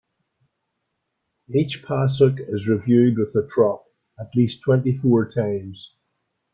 Each pasuk is reviewed with the tropp at least twenty-four times.